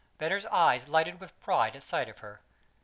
Venner's eyes lighted with pride at sight of her.